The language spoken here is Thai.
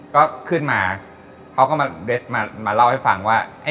ก็ขึ้นมาเขาก็มาเล่าให้ฟังว่า